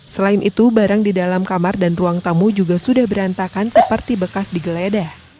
selain itu barang di dalam kamar dan ruang tamu juga sudah berantakan seperti bekas digeledah